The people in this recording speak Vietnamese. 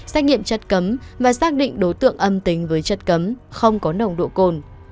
xét nghiệm chất cấm và xác định đối tượng âm tính với chất cấm không có nồng độ cồn